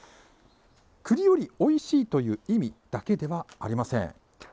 くりよりおいしいという意味だけではありません。